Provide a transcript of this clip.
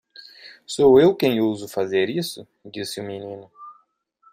"Sou eu quem ousou fazer isso?" disse o menino.